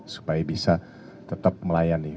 supaya bisa tetap melayani